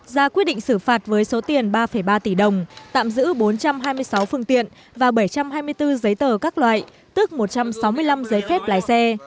ra quyết định xử phạt với số tiền ba ba tỷ đồng tạm giữ bốn trăm hai mươi sáu phương tiện và bảy trăm hai mươi bốn giấy tờ các loại tức một trăm sáu mươi năm giấy phép lái xe